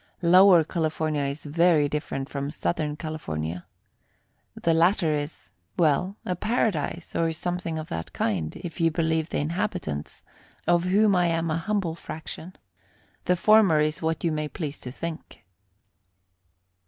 Lower California is very different from Southern California. The latter is well, a paradise, or something of that kind, if you believe the inhabitants, of whom I am an humble fraction. The former is what you may please to think.